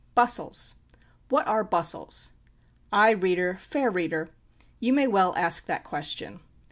Bustles! what are bustles? Ay, reader, fair reader, you may well ask that question.